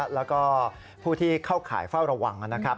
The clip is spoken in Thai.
แล้วก็ผู้ที่เข้าข่ายเฝ้าระวังนะครับ